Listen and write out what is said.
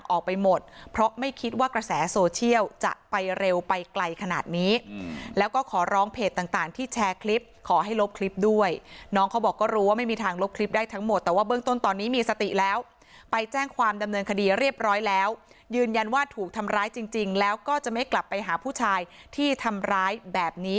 ออกไปหมดเพราะไม่คิดว่ากระแสโซเชียลจะไปเร็วไปไกลขนาดนี้แล้วก็ขอร้องเพจต่างที่แชร์คลิปขอให้ลบคลิปด้วยน้องเขาบอกก็รู้ว่าไม่มีทางลบคลิปได้ทั้งหมดแต่ว่าเบื้องต้นตอนนี้มีสติแล้วไปแจ้งความดำเนินคดีเรียบร้อยแล้วยืนยันว่าถูกทำร้ายจริงแล้วก็จะไม่กลับไปหาผู้ชายที่ทำร้ายแบบนี้